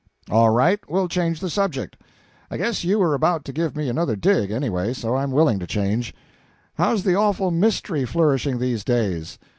"All right, we'll change the subject; I guess you were about to give me another dig, anyway, so I'm willing to change. How's the Awful Mystery flourishing these days?